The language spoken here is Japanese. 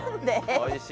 おいしい。